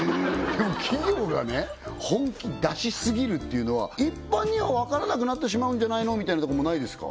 でも企業がね本気出しすぎるっていうのは一般には分からなくなってしまうんじゃないのみたいなとこもないですか？